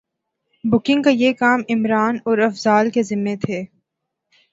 booking کا یہ کام عمران اور افضال کے ذمے تھے